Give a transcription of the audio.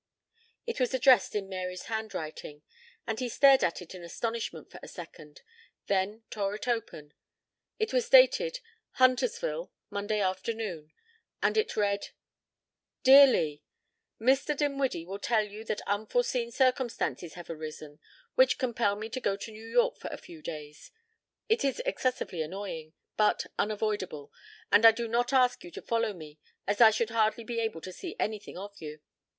It was addressed in Mary's handwriting, and he stared at it in astonishment for a second, then tore it open. It was dated "Huntersvilie, Monday afternoon," and it read: "Dear Lee: "Mr. Dinwiddie will tell you that unforeseen circumstances have arisen which compel me to go to New York for a few days. It is excessively annoying, but unavoidable, and I do not ask you to follow me as I should hardly be able to see anything of you.